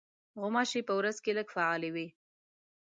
غوماشې په ورځ کې لږ فعالې وي.